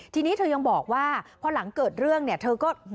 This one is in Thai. ทีนี้เธอยังบอกว่าเพราะหลังเกิดเรื่องเธอก็